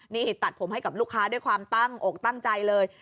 นี่ตัดผมให้กับลูกค้าด้วยความตั้งอกตั้งใจเลย